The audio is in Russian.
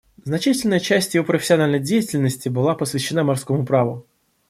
Значительная часть его профессиональной деятельности была посвящена морскому праву.